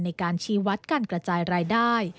ในการชีวัตรการกระจายรายได้